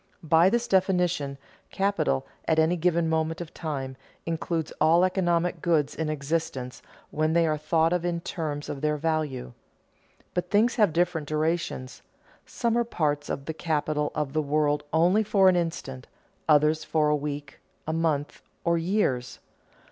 By this definition, capital, at any given moment of time, includes all economic goods in existence, when they are thought of in terms of their value. But things have different durations, some are parts of the capital of the world only for an instant, others for a week, a month, or years.